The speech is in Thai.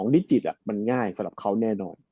นิจิตมันง่ายสำหรับเขาแน่นอน